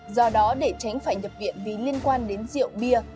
do đó để tránh phải nhập viện vì liên quan đến rượu bia